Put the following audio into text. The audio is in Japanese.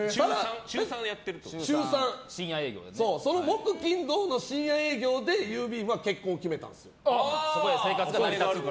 その木、金、土の深夜労働でゆーびーむ☆は結婚を決めたんですよ。